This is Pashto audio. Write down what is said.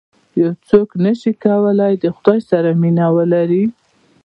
یو څوک نه شي کولای د خدای سره مینه ولري.